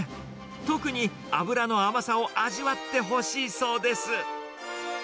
特に脂の甘さを味わってほしいそうです。